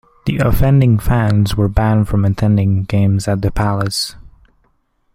The offending fans were banned from attending games at The Palace.